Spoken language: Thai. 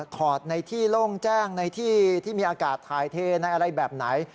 ถอดในที่โล่งแจ้งในที่ที่มีอากาศถ่ายเทในอะไรแบบไหน